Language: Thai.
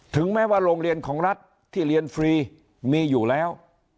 ถึงแม้ว่าโรงเรียนของรัฐที่เรียนฟรีมีอยู่แล้ว